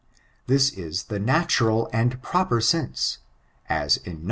This is the natural and proper sense, as in Num.